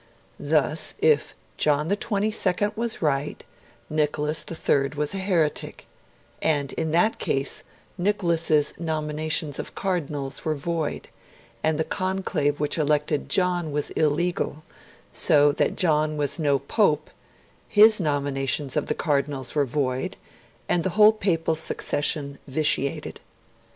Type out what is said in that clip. Thus if John XXII was right, Nicholas III was a heretic, and in that case Nicholas's nominations of Cardinals were void, and the conclave which elected John was illegal so that John was no Pope, his nominations of Cardinals were void, and the whole Papal succession vitiated.